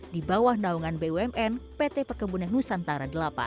di bawah naungan bumn pt perkebunan nusantara delapan